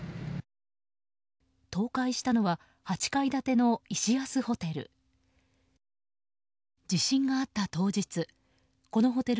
倒壊したのは、８階建てのイシアスホテル。